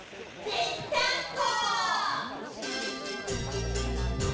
「ぺったんこ！」